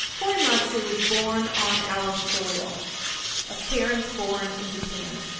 Korematsu was born on our soil, of parents born in Japan.